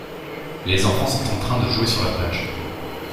Les enfant sont en train de jouer sur la plage.